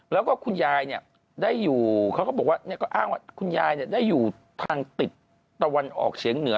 แล้วก็คุณยายเนี่ยได้อยู่เขาก็บอกว่าก็อ้างว่าคุณยายได้อยู่ทางติดตะวันออกเฉียงเหนือ